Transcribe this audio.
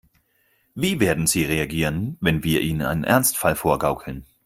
Wie werden sie reagieren, wenn wir ihnen einen Ernstfall vorgaukeln?